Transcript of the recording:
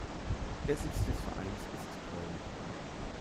Der Sitz des Vereins ist Köln.